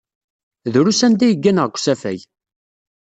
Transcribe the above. Drus anda i gganeɣ deg usafag.